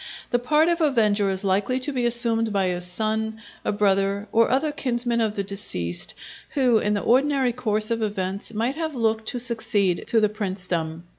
The part of avenger is likely to be assumed by a son, a brother, or other kinsman of the deceased, who in the ordinary course of events might have looked to succeed to the princedom.